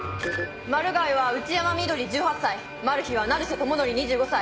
マルガイは内山碧１８歳マルヒは成瀬友則２５歳。